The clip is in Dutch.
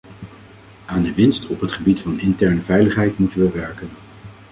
Aan de winst op het gebied van interne veiligheid moeten we werken.